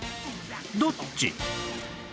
どっち？